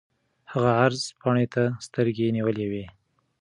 هغه عرض پاڼې ته سترګې نیولې وې.